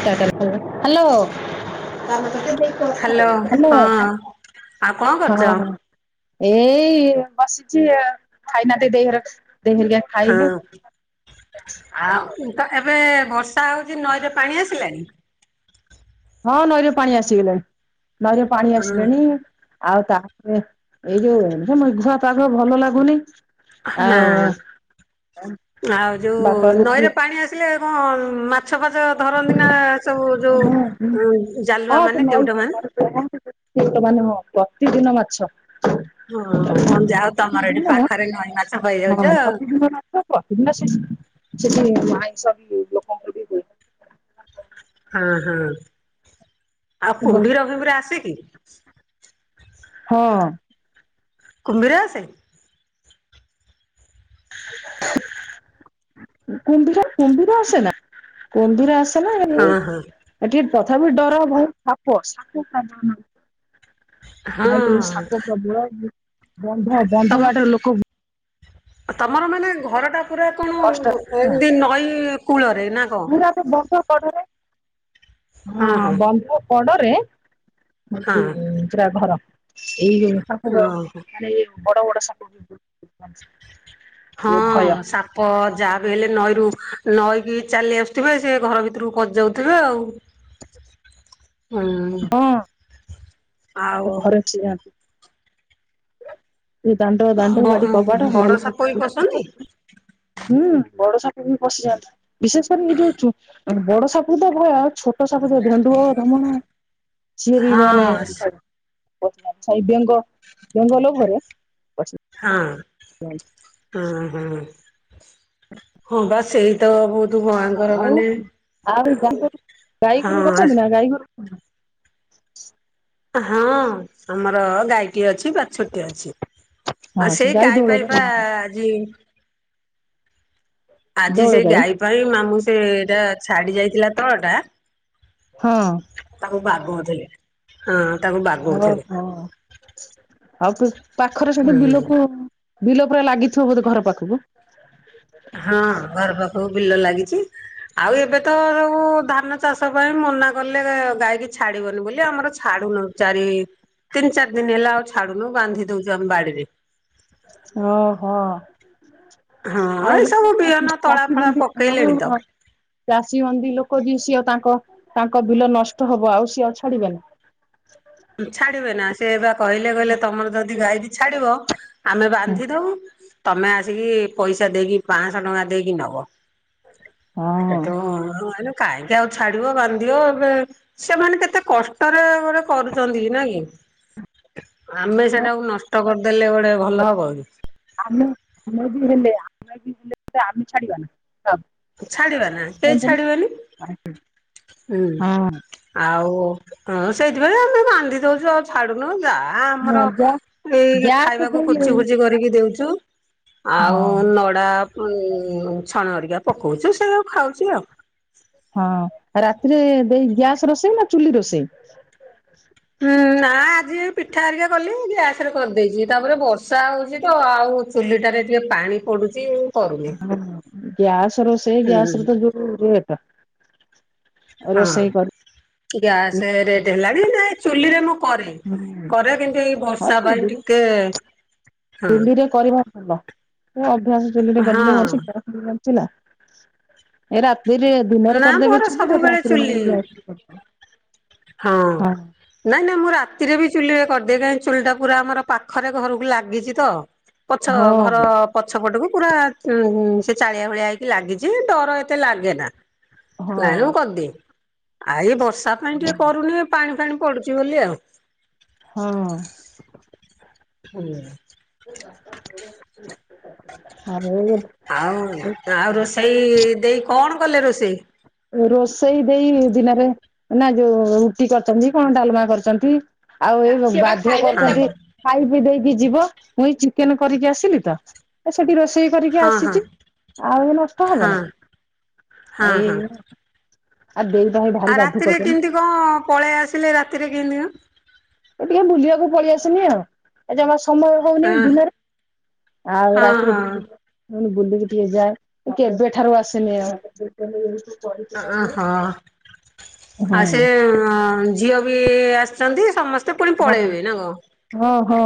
[unintelligible] Hello. Hello ହଁ ଆଉ କଣ କରୁଚ? ଏଇ ବସିଛି ଆଉ, ଖାଇନାହାନ୍ତି ଦେଇ ହର ଦେଇ ହେରିକା। ହଁ, ଖାଇବେ। ଆଉ ତ ଏବେ ବର୍ଷ ର୍ଷା ହଉଛି ନଈରେ ପାଣି ଆସିଲାଣି? ହଁ ନଈରେ ପାଣି ଆସିଗଲାଣି, ନଈରେ ପାଣି ହଁ ଆସିଲାଣି। ଆଉ ତାପରେ ଏଇ ଯୋଉ ମେଘୁଆ ପାଗ ଭଲ ଲାଗୁନି। ହଁ ଆଉ ଆଉ ବାପା ଯୋଉ ବୋଉ ନଈରେ ପାଣି ଆସି ଆସିଲେ କଣ ମାଛ ଫାଛ ଧରନ୍ତି ନା ସବୁ ଯୋଉ ଜାଲୁଆ ମାନେ କେଉଟ ମାନେ [unintelligible] କେଉଟ ମାନ ପ୍ରତିଦିନ ମାଛ। ହଁ ହଁ ଯା ହଉ ତମର ଏଠି ପ୍ରତିଦିନ ହଁ ପାଖରେ ନଈ ମାଛ ପାଇଯାଉଛ ଆଉ। ନା ପ୍ରତିଦିନ ସେଠିି ସେଠି ଆଇସ ଲୋକଙ୍କର ବି ହୁଏ। ହଁ ହଁ ଆଉ କୁମ୍ଭୀର ଫୁମ୍ଭିର ଆସେ କି? ହଁ। କୁମ୍ଭୀର ଆସେ? କୁମ୍ଭୀର କୁମ୍ଭୀର ଆସେ ନା? ହଁ ହଁ କି ତଥାପି ଡର ଭୟ ସାପ ସାପ [unintelligible] ହଁ ନଈ କୂଳରେ ସାପ ପ୍ରବଳ ବନ୍ଧା ବନ୍ଧ ତମ ବାଡରେ ଲୋକ ତମର ମାନେ ଘର ଟା ପୁରା କଣ କଷ୍ଟ ଏମତି ନଈ କୂଳରେ ନା କଣ? ପୁରା ତ ବନ୍ଧ କଡରେ। ହଁ ହଁ ଏଇ ହଁ ଯୋଉ ସେଟା ଘର ଏଇ ଯୋଉ ସାପ ଓହୋ। ଭୟରେ ବଡ ବଡ ସାପ ହଁ ଏ ଭୟ ସାପ୍ ପ ଯାହା ବି ହେଲେ ନଈରୁ ନଈକି ଚାଲି ଆସୁଥିବେ ସେ ଘର ଭିତରକୁ ପସିଯାଉଥିବେ ଆଉ। [inaudible] ହଁ। ଘରେଅଛି ଜାଆନ୍ତୁ। ସେ ଦାଣ୍ଡ ଦାଣ୍ଡ ବ ବାଡି କବାଟ ବଡ ଭଲ ସାପ ବି ପଶନ୍ତି [unintelligible] ହୁଁ ବଡ ସାପ ବି ପଶିଯାନ୍ତି। ବିଶେଷ କରି ଏ ଯୋଉ ଚୁ ବଡ ସାପକୁ ତ ଭୟ ଛୋଟ ଛୋଟସାପ ଯୋଉ ଧେଣ୍ଡୁଅ, ଢମଣା ସିଏ ବି ମାନେ ହଁ [unintelligible] ବେଙ୍ଗ ଜଙ୍ଗଲ ଘରେ ପସି ହଁ ହଁ ହଁ ହଁ ବା ସେଇ ତ ବହୁତ ଭଙ୍କର ଆଉ ମାନେ ଆଉ ଗାଈ ଗାଈ ଗୋରୁ ହଁ ରଖିଛନ୍ତି ନା ଗାଈ ଘରେ [unintelligible] ହଁ ଆମର ଗାଈଟିଏ ଅଛି ବାଛୁରୀ ଟିଏ ଅଛି। ହଁ ଆ ସେ ସେଇ ଗାଈ ତାଇ ଦୋଳ ପାଇଁ ବା ଆଜି ଆଜି ସେଇ ଗାଈ ପାଇଁ ମାମୁଁ ସେ ଏଇଟା ଛାଡି ଯାଇଥିଲା ତଳ ଟା ହଁ। ତାକୁ ବାଗଉଥିଲେ। ହଁ ତାକୁ ଅହଁ ବାଗଉଥିଲେ ଆଉ ପାଖରେ ସେଠି ହୁଁ ବିଲକୁ ବିଲ ପୁରା ଲାଗିଥିବ ବୋଧେ ଘର ପାଖକୁ। ହଁ ଘର ପାଖକୁ ବିଲ ଲାଗିଚି ଆଉ ଏବେ ତ ସବୁ ଧାନ ଚାଷ ପାଇଁ ମନା କଲେ ଗାଈ କୁ ଛାଡିବନି ବୋଲି ଆମର ଛାଡୁନ ଚାରି ତିନି ଚାରି ଦିନ ହେଲା ଆଉ ଛାଡୁନୁ ବାନ୍ଧି ଦୋଉଚୁ ଆମ ବାଡିରେ। ଓହୋ ହଁ ଆଉ ଏଇ ସବୁ ବିହନ ତଳା ଫଳା ପକେଇଲେଣି ତ [unintelligible] ଚାଷୀ ବନ୍ଦି ଲୋକ ଯିଏ ସିଏ ତାଙ୍କ ତାଙ୍କ ବିଲ ନଷ୍ଟ ହବ ଆଉ ସିଏ ଆଉ ଛାଡିବେନି। ଛାଡିବେ ନା ସେ ବା କହିଲେ କହିଲେ ତମର ଯଦି ଗାଇ କି ଛାଡିବ ଆମେ ବାନ୍ଧି ଦବୁ ତମେ ଆସିକି ପଇସା ଦେଇକି ପାଶହ ଟଙ୍କା ଦେଇକି ନବ। ହଁ [unintelligible] କାହିଁକି ଆଉ ଛାଡିବ ବାନ୍ଧିଦିଅ ଏବେ ସେମାନେ କେତେ କଷ୍ଟରେ ଗୋଟେ କରୁ ଚନ୍ତି ନା କି ଆମେ ସେଟାକୁ ନଷ୍ଟ କରିଦେଲେ ଗୋଟେ ଭଲ ହବ କି। ଆମେ ଆମେ ବି ହେଲେ ଆମେ ବି ହେଲେ ଆମେ ଛାଡିବା ନା। ଛାଡିବା ନା କେହି ଛାଡିବାନି ହୁଁ ହଁ। ଆଉ ହଁ ସେଇଥିପାଇଁ ଆମ ବାନ୍ଧି ଦଉଛୁ ଆଉ ଛାଡୁନୁ ଯା ଆଁ ହଁ ଆମର ଗ୍ୟା ଏଇ ଗ୍ୟାସ ଖାଇବାକୁ ଦେଇ କୁଚି କୁଚି କରିକି ଦେଉଚୁ। ଆଉ ହଁ ନଡା ଛଣରିକା ପକଉଛୁ ସେଉଆ ଖାଉଚି ଆଉ। ହଁ ରାତିରେ ଦେଇ ଗ୍ୟାସ୍ ରୋଷେଇ ନା ଚୁଲି ରୋଷେଇ? ହୁଁ ନା ଯି ପିଠା ହରିକା କଲି ଗ୍ୟାସ ରେ କରିଦେଇଛି ତାପରେ ବର୍ଷା ହଉଛି ତ ଆଉ ଚୁଲିଟାରେ ଟିକେ ପାଣି ପଡୁଚି। ହଁ ଗ୍ୟାସ ରୋଷେଇ ହୁଁ ଗ୍ୟାସର ତ ଯୋଉ ରେଟ। ହଁ ରୋଷେଇ କର ଗ୍ୟାସ ରେଟ ହେଲାଣି ନା ଚୁଲି ରେ ମୁଁ କରେ କରେ କିନ୍ତୁ ଏଇ ବ ହଁ ର୍ଷା ପାଇଁ ଚୁଲିରେ ଟିକେ ହଁ ଚୁଲିରେ କରିବା ଭଲ ଏ ଅଭ୍ୟାସ ଚଲିରେ କରିଲେ ହଁ। [unintelligible] [unintelligible] ଏ ରାତିରେ ଦିନରେ ନା କରିଦେବେ ମୋର ଚୁଲିରେ। ସବୁବେଳେ ରାତିରେ ନହେଲେ ଚୁଲି ଗ୍ୟାସ [inaudible] ହଁ। ନାଇଁ ନାଇଁ ମୁଁ ରାତିରେ ବି ଚୁଲିରେ କରିଦିଏ କାହିଁ ଚୁଲି ଟା ପୁରା ଆମର ପାଖରେ ଘରକୁ ଲାଗିଚି ତ। ପଛ ଘର ହଁ ପଛ ପଟକୁ ପୁରା ସେ ଚାଳିଆ ଭଳିଆ ହେଇକି ଲାଗିଚି ଡର ଏତେ ଲାଗେ ନାଁ। ହଁ ନାଇଁ ମୁଁ କରିଦିଏ ଆ ଏ ବର୍ଷା ପାଇଁ ଟିକେ କରୁନି। ପାଣି ଫାଣି ପଡୁଚି ବୋଲି ଆଉ। ହୁଁ ହଁ। [unintelligible] ଆଉ ଆଉ ରୋଷେଇ ଦେଇ କଣ କଲେ ରୋଷେଇ? ରୋଷେଇ ଦେଇ ଦିନରେ ନା ଯୋଉ ରୁଟି କରିଚନ୍ତି କଣ ଡାଲମା କରିଚନ୍ତି। ଆଉ ଏ ବା ପୁଅ କରୁଚନ୍ତି। ହଁ ଖାଇ ପିଇ ଦେଇକି ଯିବ ମୁଇ ଏଇ ଚିକେନେ କରିକି ଆସିଲି ତ ସେଠି ରୋଷେଇ କରିକି ହଁ ହଁ ଆସିଚି ଆଉ ନଷ୍ଟ ହବ ହଁ ନା ହଁ ହଁ। ଏଇଆ। ଆଉ ଦେଇ [unintelligible] ଆଉ ରାତିରେ କରୁଛନ୍ତି କେମତି କ ପଳେଇ ଆସିଲେ? ରାତିରେ କେମିତି ମ। ଏ ଟିକେ ବୁଲିବାକୁ ପଳଇ ଆସନି ଆଉ। ଜମା ସମୟ ହଉନେହି କଣ? ଦିନର ଆଉ ହଁ ରାତିର ହଁ ଟିକେ ବୁଲି ମୁଁ କଇନି ବୁଲିକି ଟିକେ ଯାଏ। ମୁଁ କେବେଠାରୁ ଆସେନି ଆଉ। ଉଣଶ ଚ ଚାଳିି [unintelligible] ଓହୋ ହଁ। ଆଉ ସେ ଝିଅ ବି ଆସିଚନ୍ତି ସମସ୍ତେ ପୁଣି ପଳେଇବେ ନା କନ? ହଁ ହଁ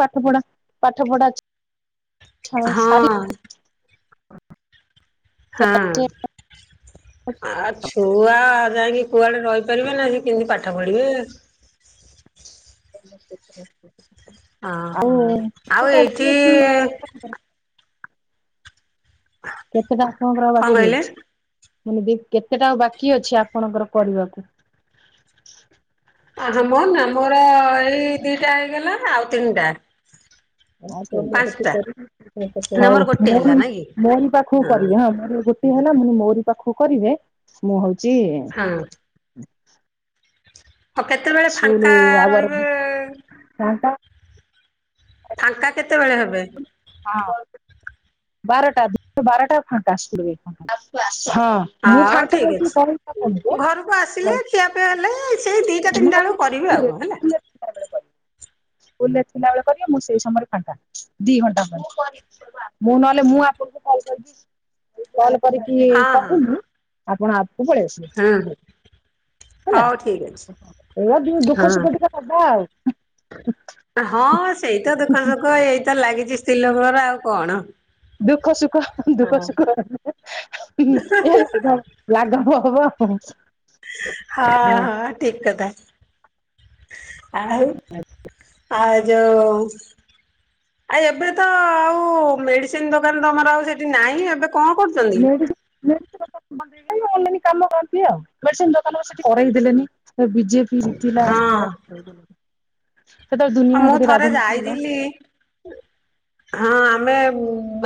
ପାଠ ପଢା ପାଠ ପଢା ଅଛି। ହଁ। ହଁ। ଆ ଛୁଆ ଯାଇକି କୁଆଡେ ରହିପାରିବେ ନା ସେ କେମିତି ପାଠ ପଢିବେ ଆ ଓହୋ ଆଉ ଏଇଠି ଅ [unintelligible] କେତେଟା ଆପଣଙ୍କର ଆଉ କଣ ବାକି କହିଲେ? ଅଛି? ମାନେ ଦି କେତେଟା ଆଉ ବାକି ଅଛି ଆପଣଙ୍କର କରିବାକୁ? ଆଗେ ମୋର ନା ମୋର ଏଇ ଦିଟା ହେଇଗଲା ଆଉ ତିନିଟା। ପାଞ୍ଚଟା ନା ହଉ ମୋର ଗୋଟେ ମୁଁ ହେଲା ମୁ ନାଇଁ କି ମୋରି ପାଖକୁ କରିବେ ହଁ ମ ହେଲା ମୁଁ ମୋର ପାଖକୁ କରିବେ ମୁଁ ହଉଚି ଆଁ ଆଉ କେତେବେଳେ ଫାଙ୍କା ରହିବେ? ନା ତ। ଫାଙ୍କା କେତେବେଳେ ହେବେ? ହଁ ବାରଟା ବାରଟା ଖା ଆସ ହଁ। ମୁଁ ହଉ ଫାଙ୍କା ଠିକ ହେଇକି କହିବି [unintelligible] ହଉ। ତି ଆପେ ହେଲେ ସେଇ ଦିଟା ତିନିଟା ବେଳକୁ କରିବେ ସ୍କୁଲରେ ଆଉକୁ ହେଲା। ସ୍କୁଲରେ ଥିଲାବେଳେ କରିବେ ମୁଁ ସେଇ ସମୟରେ ଖାଡ଼ା ଦି ଘଣ୍ଟା ପରେ। ମୁଁ ନହେଲେ ମୁଁ ଆପଣଙ୍କୁ କଲ୍ କରିବି। ମୁଁ କଲ କରିକି ହଁ କହିଲି ଆପଣ ଆସିବେ ହଁ ହଁ ହୋଉ ଠିକ୍ ଅଛି। ଏଇୟା ଟିକେ ଦୁଃଖ ହଁ। ସୁଖ ଟିକେ ହବା ଆଉ। ଙ୍କ ଏଇତ ଲାଗିଛି ସ୍ତ୍ରୀ ଲୋକଙ୍କର ଆଉ କଣ। ଦୁଃଖ ସୁଖ ଦୁଃଖ ହଁ। ସୁଖ ଲା ଲାଗବ ହବ। ହଁ ହଁ ଠିକ କଥା ଆଉ। ହଁ ଆଉ ଯୋଉ ଆ ଏବେ ତ ଆଉ ମେଡିସିନ ଦୋକାନ ତମର ଆଉ ସେଠି ନାହିଁ ଏବେ କଣ କରୁ ମେଡ଼ିସିନ୍ କାମ କରନ୍ତି ଆଉ ମନେ ମେଡିସିନ ଦୋକାନ ସେଠି କରରେଇ ଦେଲେନି ବିଜେ କି ଜିତିଲା ସେ ହଁ ଆଉ କରେଇ ଦେଲେନି ସେତେବେଳେ ଦୁନିଆ ରାଜନୀତି ହେଲା। ହ ହଁ ଆମେ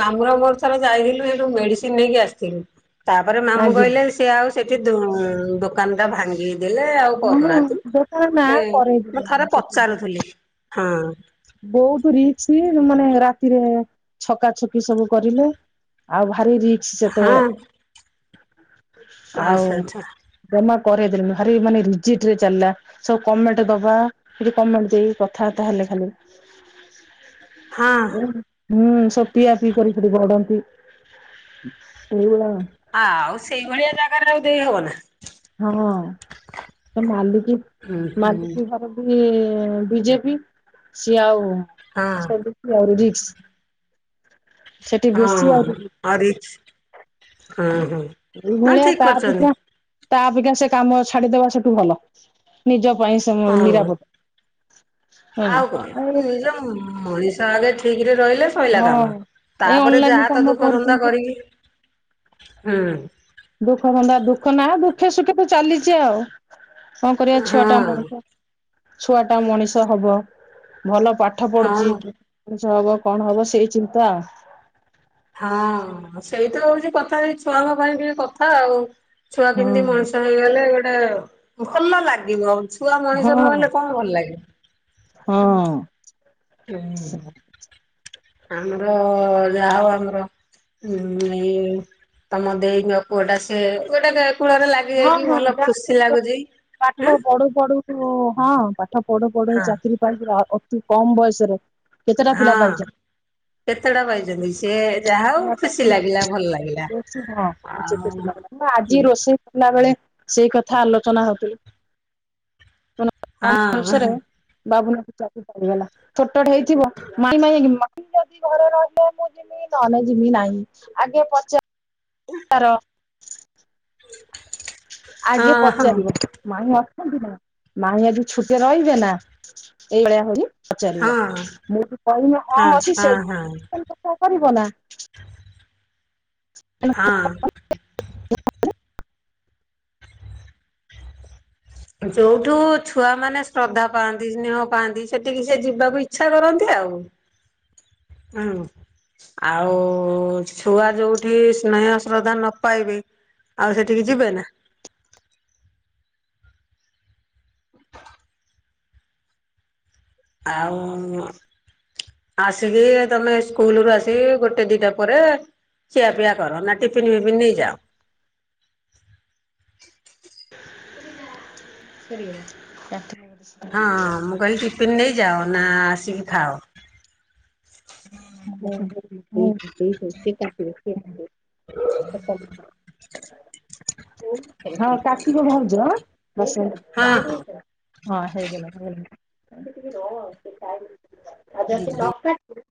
ମାମୁଁର ମୋର ଥରେ ଯାଇଥିଲୁ ଏଠୁ ମେଡିସିନ ନେଇକି ଆସିଥିଲୁ। ତାପରେ ମାମୁଁ ଆଜ୍ଞା କହିଲେ ସିଏ ଆଉ ସେଠି ଦୋକାନ ଟା ଭାଙ୍ଗି ଦେଲେ ଆଉ ହଁ କରୁନାହାନ୍ତି ଦୋକାନ ନା ଏ କରେଇ ମୁଁ ଥରେ ଦେଲେନି ପଚାରୁଥିଲି ହଁ। ବୋହୁତ ରିକ୍ସି ମାନେ ରାତିରେ ଛକା ଛକି ସବୁ କରିଲେ। ଆଉ ଭାରି ରିକ୍ସୀ ହଁ ସେତେବେଳେ ଆଉ। ଆଚ୍ଛା ଆଚ୍ଛା। ଜମା କରେଇ ଦେଲେନି ଭାରି ମାନେ ରିଜିଟ୍ ରେ ଚାଲିଲା। ସବୁ କମେଣ୍ଟ ଦବା ଏଠି କମେଣ୍ଟ ଦେଇ କଥାବାର୍ତ୍ତା ହେଲେ ଖାଲି। ହଁ [unintelligible] ହୁଁ ସବୁ ପିଆ ପିଇ କରିକି ଗଡନ୍ତି ସେଇଭଳିଆ। ଆଉ ସେଇଭଳିଆ ଜାଗାରେ ଆଉ ଦେଇ ହବ ନା। ହଁ ତ ମାଲିକି ହୁଁ ହୁଁ ମାଲିକି ଘର ବିଜେପି ସିଏ ଆଉ ହଁ ସିଏ ବି ଆହୁରି ରିକ୍ସ। ସେଠି ବେଶୀ ହଁ ଆହୁରି ହଁ ରିକ୍ସ। ହଁ ଏଇ ହଁ ଭଳିଆ ଠିକ ତା କରିଛନ୍ତି ପିଛା ତା ଅପେକ୍ଷା ସେ କାମ ଛାଡିଦବା ସେଠୁ ଭଲ ନିଜ ପାଇଁ ସେ ହଁ। ନିରାପଦ। ହେଲା। ଆଉ କଣ ନିଜ ମଣିଷ ଆଗେ ଠିକ ରେ ରହିଲେ ସଇଲା ହଁ କାମ ଏ ତାପରେ ଅନଲାଇନ ଯାହା ତ କାମ ଦୁଃଖ ଧନ୍ଦା କରୁଛନ୍ତି କରିକି ହୁଁ। ଦୁଃଖ ଧନ୍ଦା ଦୁଃଖ ନା ଦୁଃଖେ ସୁଖେ ତ ଚାଲିଚି ଆଉ। କଣ କରିବା ହଁ ଛୁଆଟା ଆମର ତ ଛୁଆ ଟା ମଣିଷ ହବ ଭଲ ପା ଠ ପଢୁଚି ହଁ। ମଣିଷ ହବ କଣ ହବ ସେଇ ଚିନ୍ତା ଆଉ। ହଁ ସେଇ ତ ହଉଛି କଥା ଛୁଆଙ୍କ ପାଇଁ ଟିକେ କଥା ଆଉ ଛୁଆ ହଁ କେମିତି ମଣିଷ ହେଇଗଲେ ଗୋଟେ ଭଲ ଲାଗିବ। ଛୁଆ ହଁ ମଣିଷ ହଁ। ନହେଲେ କଣ ଭଲ ଲାଗିବ? ହଁ। ହୁଁ ଆମର ଯାହା ହଉ ଆମର ହୁଁ ଏଇ ତମ ଦେଇଙ୍କ ପୁଅଟା ସେ ଗୋଟେ କୂଳରେ ଲାଗ ହଁ ହଁ ଯାହା ପାଠ ହଁ ପଢୁ ପଢୁ ଯୁ ହଁ ପାଠ ପଢ଼ୁ ପଢ଼ୁ ହଁ ଚାକିରି ପାଇଯିବା ଅତି କମ ବୟସରେ କେତେ ଟା ପିଲା ହଁ। ପାଇଚ? କେତେଟା ପାଇଚନ୍ତି ସିଏ ଯାହା ହଉ ଖୁସି ଲାଗିଲା ଭଲ ଲାଗିଲା ଆଉ ହଁ ହୁଁ ଆଜି ରୋଷେଇ କଲା ବେଳେ ସେଇ କଥା ଆଲୋଚନା ହଉଥି ହଁ କମ୍ ବୟସରେ ହଁ ବାବୁନାର ଚକିରି ହେଇଗଲା ଛୋଟଟେ ହେଇଥିବ ମାଟି ମା [unintelligible] ନହେଲେ ଯିବି ନାହିଁ ଆଗେ ପଚା ଆଗେ ହଁ ହଁ। ପଚାରିବ ମାଇଁ ଅଛନ୍ତି ନା? ମାଇଁ ଆଜି ଛୁଟିରେ ରହିବେ ନା ଏଇ ଭଳିଆ ଆହୁରି ପଚାରିବ ମୁଁ ହେଠୁ କହିବି ହଁ ଅଛି ସେଠୁ କଣ କରିବ ନା ହଁ। ଯୋଉଠୁ ଛୁଆମାନେ ଶ୍ରଦ୍ଧା ପାଆନ୍ତି ସ୍ନେହ ପାଆନ୍ତି ସେଠିକି ସେ ଯିବାକୁ ଇଚ୍ଛା କରନ୍ତି ଆଉ। ହୁଁ। ଆଉ ଛୁଆ ଯୋଉଠି ସ୍ନେହ ଶ୍ରଦ୍ଧା ନ ପାଇବେ ଆଉ ସେଠିକି ଯିବେ ନା? ଆଉ ଆସିକି ତମେ ସ୍କୁଲୁ ରୁ ଆସିକି ଗୋଟେ ଦିଟା ପରେ ଖିଆ ପିଆ କର ନା ଟିଫିିନ ଫିଫିିନ ନେଇଯାଅ। ସରିଗଲା। [unintelligible] ହଁ ହଁ ମୁଁ କହିଲି ଟିଫିିନ ନେଇଯାଅ ନା ଆସିକି ଖାଅ? ହ ସେ [unintelligible] ହଁ କଟିବ ଭାଉଜ ଆଁ। ହଁ ହଁ [unintelligible] ହଁ ହେଇଗଲା ହେଇଗଲା [unintelligible] ଟିକେ ରହ ଯଦି ନ କା